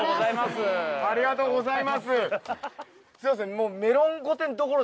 すいません